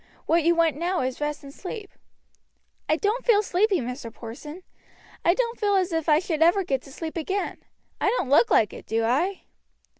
What you want now is rest and sleep." "I don't feel sleepy, Mr. Porson. I don't feel as if I should ever get to sleep again. I don't look like it, do I?"